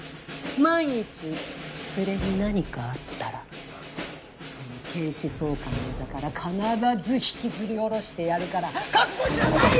万一ツレに何かあったらその警視総監の座から必ず引きずり下ろしてやるから覚悟しなさい！！